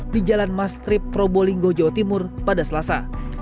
di jalan mastrip probolinggo jawa timur pada selasa